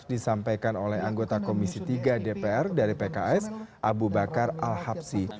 disampaikan oleh anggota komisi tiga dpr dari pks abu bakar al habsi